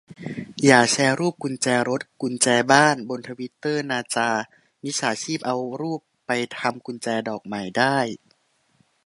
อย่าแชร์รูปกุญแจรถ กุญแจบ้าน บนทวิตเตอร์นาจา มิจฉาชีพเขาเอารูปไปทำกุญแจดอกใหม่ได้